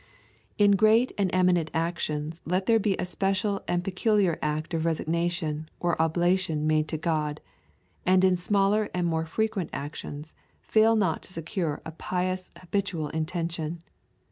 In great and eminent actions let there be a special and peculiar act of resignation or oblation made to God; and in smaller and more frequent actions fail not to secure a pious habitual intention.'